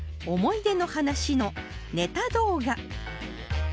「思い出の話」のネタ動画